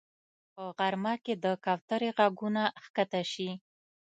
په غرمه کې د کوترې غږونه ښکته شي